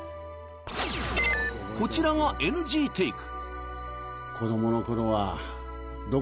こちらがＮＧテイク